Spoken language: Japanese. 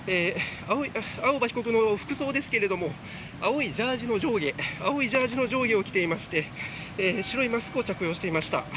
青葉被告の服装ですが青いジャージーの上下を着ていまして白いマスクを着用していました。